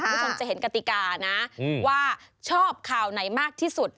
คุณผู้ชมจะเห็นกติกานะว่าชอบข่าวไหนมากที่สุด